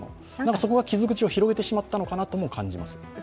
そこが傷口を広げてしまったのかなとも感じます。